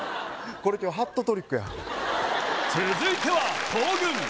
これ今日ハットトリックや続いては東軍